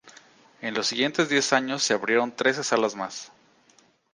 En los siguientes diez años se abrieron trece salas más.